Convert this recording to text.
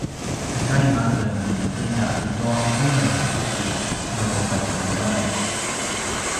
tegain aken ni kina i tua unem a tuki nu kadjamadjaman